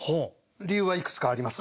理由はいくつかあります。